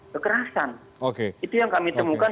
kekerasan itu yang kami temukan